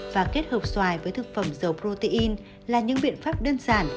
và kết hợp xoài với thực phẩm dầu protein là những biện pháp đơn giản